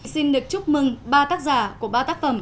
xin được chúc mừng ba tác giả của ba tác phẩm